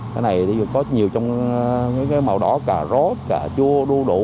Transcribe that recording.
cái này có nhiều trong màu đỏ cà rốt cà chua đu đủ